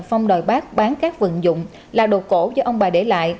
phong đòi bác bán các vận dụng là đồ cổ do ông bà để lại